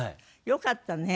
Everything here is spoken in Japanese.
よかったね。